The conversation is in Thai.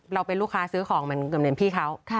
เราเป็นลูกค้าซื้อของเหมือนกับเหมือนพี่เขา